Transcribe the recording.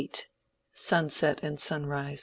SUNSET AND SUNRISE.